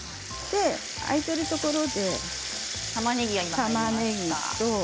空いているところにたまねぎですね。